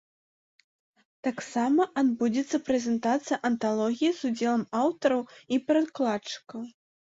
Таксама адбудзецца прэзентацыя анталогіі з удзелам аўтараў і перакладчыкаў.